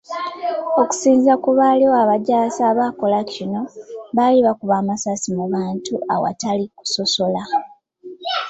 Okusinziira ku baaliwo, abajaasi abaakola kino, baali bakuba amasasi mu bantu awatali kusosola.